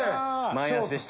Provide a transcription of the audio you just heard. マイナスでした。